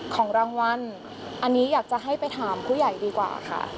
ของรางวัลอันนี้อยากจะให้ไปถามผู้ใหญ่ดีกว่าค่ะ